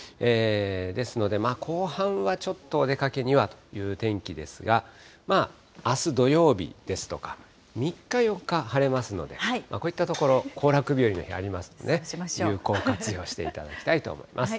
ですので、後半はちょっとお出かけにはという天気ですが、まあ、あす土曜日ですとか、３日、４日は晴れますので、こういったところ、行楽日和の日がありますので、有効活用していただきたいと思います。